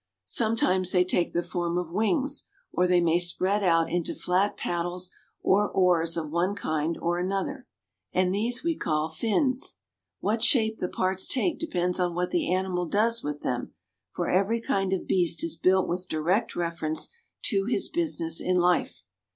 Sometimes they take the form of wings or they may spread out into flat paddles or oars of one kind or another, and these we call fins. What shape the parts take depends on what the animal does with them, for every kind of beast is built with direct reference to his business in life.